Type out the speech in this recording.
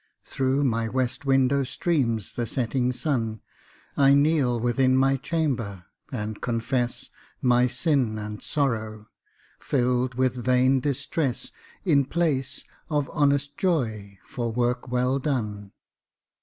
Through my west window streams the setting sun. I kneel within my chamber, and confess My sin and sorrow, filled with vain distress, In place of honest joy for work well done.